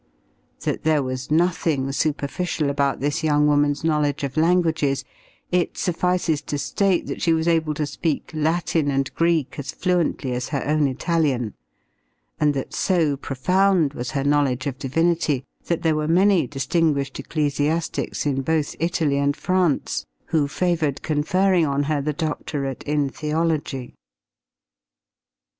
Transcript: That there was nothing superficial about this young woman's knowledge of languages, it suffices to state that she was able to speak Latin and Greek as fluently as her own Italian, and that so profound was her knowledge of divinity that there were many distinguished ecclesiastics in both Italy and France who favored conferring on her the doctorate in theology.